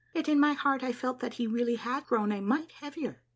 yet in my heart I felt that he really had grown a mite heavier.